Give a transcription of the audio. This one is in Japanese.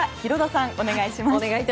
さん、お願いします。